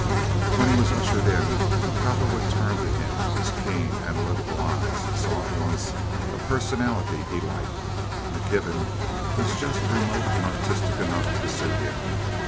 When he was ushered in, Cowperwood turned to him his keen, analytical eyes and saw at once a personality he liked. McKibben was just remote and artistic enough to suit him.